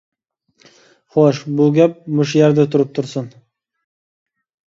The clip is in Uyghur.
خوش بۇ گەپ مۇشۇ يەردە تۇرۇپ تۇرسۇن.